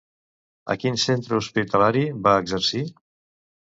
A quin centre hospitalari va exercir?